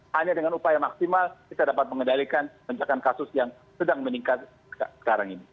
hanya dengan upaya maksimal kita dapat mengendalikan penjakan kasus yang sedang meningkat sekarang ini